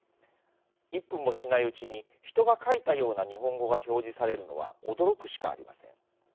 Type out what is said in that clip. １分もしないうちに人が書いたような日本語が表示されるのは驚くしかありません。